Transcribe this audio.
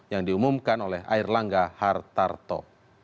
yang diumumkan oleh erlangga hartanto